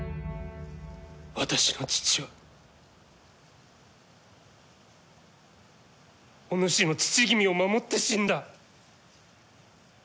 私の父はお主の父君を守って死んだ。